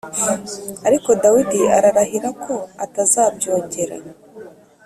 ariko Dawidi ararahira ko ata zabyongera